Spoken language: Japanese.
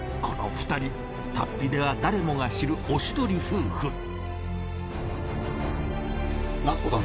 この２人龍飛では誰もが知るおしどり夫婦。